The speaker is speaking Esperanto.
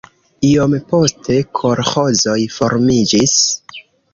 Iom poste kolĥozoj formiĝis.